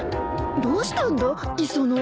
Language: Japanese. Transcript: どうしたんだ磯野？